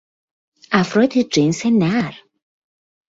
افراد جنس نر